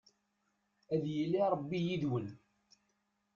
Ad yili Rebbi yid-wen!